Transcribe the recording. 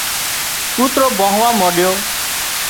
ڪوترو ڀانهوا مانڏيو